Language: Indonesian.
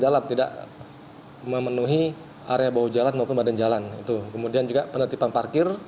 dalam tidak memenuhi area bawah jalan maupun badan jalan itu kemudian juga penertiban parkir